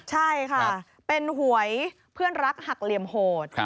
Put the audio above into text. ใช่ค่ะเป็นหวยเพื่อนรักหักเหลี่ยมโหด